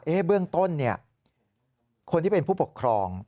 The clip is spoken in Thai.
เบื้องต้นเนี่ยคนที่เป็นผู้ปกครอง